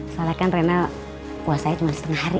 soalnya kan renal puasanya cuma setengah hari